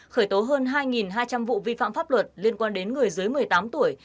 khởi tố hơn hai hai trăm linh vụ vi phạm pháp luật liên quan đến người dưới một mươi tám tuổi